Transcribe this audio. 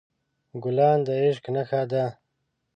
ګلان د عشق نښه ده.